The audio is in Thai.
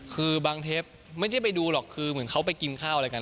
คือบางเทปไม่ใช่ไปดูหรอกคือเหมือนเขาไปกินข้าวอะไรกัน